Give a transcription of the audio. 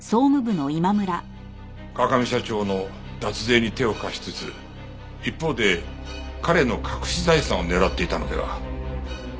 川上社長の脱税に手を貸しつつ一方で彼の隠し財産を狙っていたのでは？